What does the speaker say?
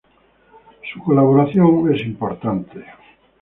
Su colaboración es importante.